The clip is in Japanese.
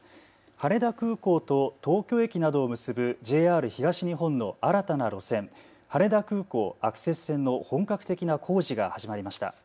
羽田空港と東京駅などを結ぶＪＲ東日本の新たな路線、羽田空港アクセス線の本格的な工事が始まりました。